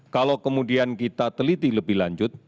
kalau kemudian kita teliti lebih lanjut